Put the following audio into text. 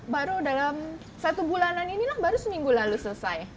baru dalam satu bulanan inilah baru seminggu lalu selesai